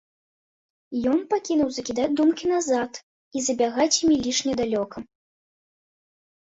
Ён пакінуў закідаць думкі назад і забягаць імі лішне далёка.